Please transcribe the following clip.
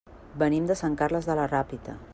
Venim de Sant Carles de la Ràpita.